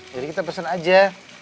jadi kita pesen aja